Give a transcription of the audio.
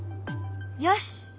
よし！